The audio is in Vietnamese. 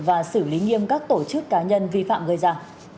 và xử lý nghiêm các tổ chức cá nhân vi phạm gây ra